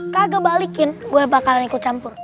kagak balikin gue bakalan ikut campur